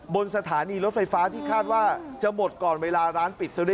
บนสถานีรถไฟฟ้าที่คาดว่าจะหมดก่อนเวลาร้านปิดซะด้วย